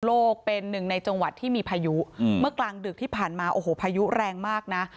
โลกเป็นหนึ่งในจังหวัดที่มีพายุเมื่อกลางดึกที่ผ่านมาโอ้โหพายุแรงมากนะ